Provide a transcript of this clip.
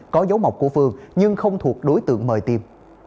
có dấu mọc của phường nhưng không thuộc đối tượng mời tiêm